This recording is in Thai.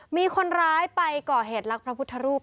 มีคนร้ายไปก่อเหตุลักษณ์พระพุทธรูป